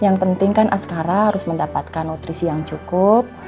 yang penting kan askara harus mendapatkan nutrisi yang cukup